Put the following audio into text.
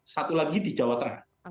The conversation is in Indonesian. satu lagi di jawa tengah